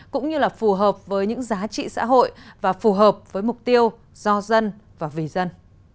cũng như là phù hợp với những giá trị xã hội và phù hợp với mục tiêu do dân và vì dân